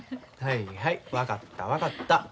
はいはい分かった分かった。